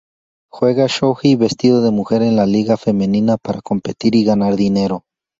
Juega shoji vestido de mujer en la liga femenina para competir y ganar dinero.